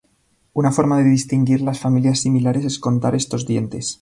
Una forma de distinguir las familias similares es contar estos dientes.